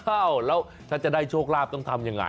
อ้าวแล้วถ้าจะได้โชคลาภต้องทำยังไง